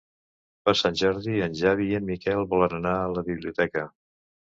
Per Sant Jordi en Xavi i en Miquel volen anar a la biblioteca.